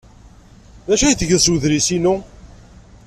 D acu ay tgiḍ s wedlis-inu?